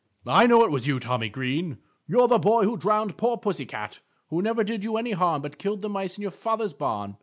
"I know it was you, Tommy Green. You're the boy who drowned poor pussy cat, who never did you any harm but killed the mice in your father's barn!"